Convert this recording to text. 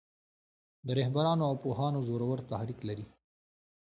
د رهبرانو او پوهانو زورور تحرک لري.